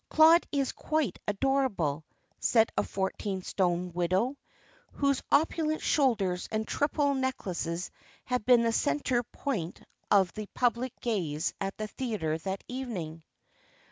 "Claude is quite adorable," said a fourteen stone widow, whose opulent shoulders and triple necklaces had been the central point of the public gaze at the theatre that evening.